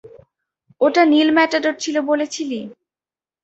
ওটা নীল ম্যাটাডোর ছিলো বলেছিলি?